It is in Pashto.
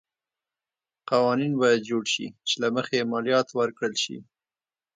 قوانین باید جوړ شي چې له مخې یې مالیات ورکړل شي.